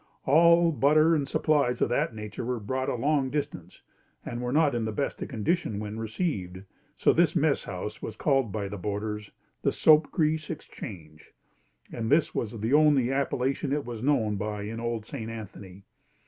All butter and supplies of that nature were brought a long distance and were not in the best of condition when received, so this messhouse was called by the boarders, "The Soap Grease Exchange," and this was the only appellation it was known by in old St. Anthony.